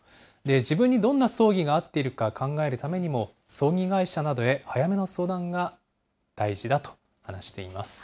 自分にどんな葬儀が合っているか考えるためにも葬儀会社などへ早めの相談が大事だと話しています。